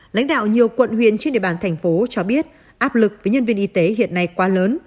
lãnh đạo nhiều quận huyện trên địa bàn thành phố cho biết áp lực với nhân viên y tế hiện nay quá lớn